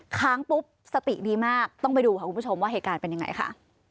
ค้างปุ๊บสติดีมากต้องไปดูค่ะคุณผู้ชมว่าเหตุการณ์เป็นยังไงค่ะ